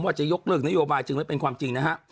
จะยกเลิกนโยบายจึงไม่เป็นความจริงนะฮะ